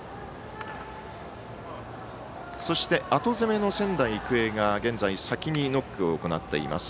そして、後攻めの仙台育英が現在、先にノックを行っています。